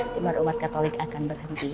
dimana umat katolik akan berhenti di sini